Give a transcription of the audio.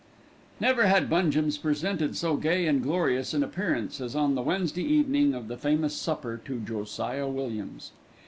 Never had Bungem's presented so gay and glorious an appearance as on the Wednesday evening of the famous supper to Josiah Williams.